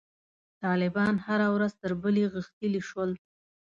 طالبان هره ورځ تر بلې غښتلي شول.